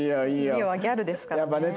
莉桜はギャルですからね。